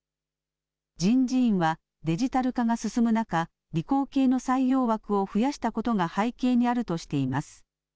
人事院はデジタル化が進む中理工系の採用枠を増やしたことが背景にあるとしています。